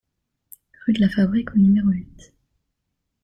Rue de la Fabrique au numéro huit